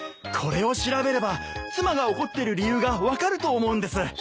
これを調べれば妻が怒ってる理由が分かると思うんです。